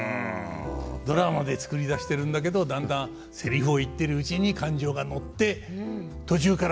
ドラマで作り出してるんだけどだんだんセリフを言ってるうちに感情が乗って途中から。